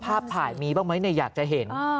ภาพถ่ายมีบ้างไหมอยากจะเห็น